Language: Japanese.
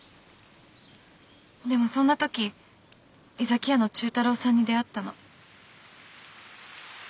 でもそんな時井崎屋の忠太郎さんに出会ったの。